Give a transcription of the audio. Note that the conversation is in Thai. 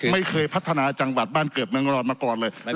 ไม่เคยพัฒนาจังหวัดบ้านเกิดเมืองรอดมาก่อนเลย